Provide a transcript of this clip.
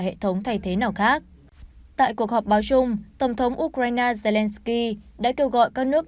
hệ thống thay thế nào khác tại cuộc họp báo chung tổng thống ukraine zelensky đã kêu gọi các nước